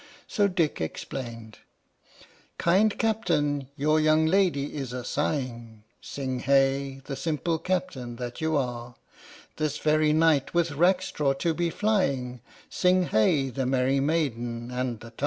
So Dick explained : Kind Captain, your young lady is a sighing (Sing hey, the simple Captain that you are), This very night with Rackstraw to be flying (Sing hey, the Merry Maiden and the Tar!).